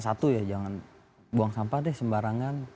satu ya jangan buang sampah deh sembarangan